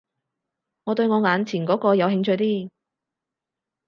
我對我眼前嗰個有興趣啲